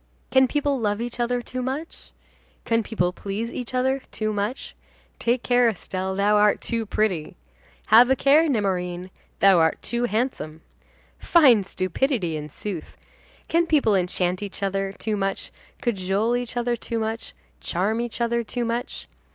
can people love each other too much? can people please each other too much? Take care, Estelle, thou art too pretty! Have a care, Nemorin, thou art too handsome! Fine stupidity, in sooth! Can people enchant each other too much, cajole each other too much, charm each other too much?